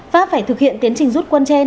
pháp phải thực hiện tiến trình rút quân trên